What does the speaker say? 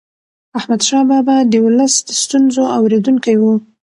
احمدشاه بابا د ولس د ستونزو اورېدونکی و.